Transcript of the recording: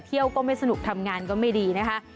ก็ไม่สนุกทำงานก็ไม่ดีนะคะ